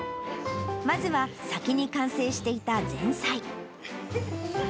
まずは先に完成していた前菜。